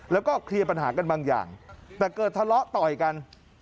แล้วก็เคลียร์ปัญหากันบางอย่างแต่เกิดทะเลาะต่อยกัน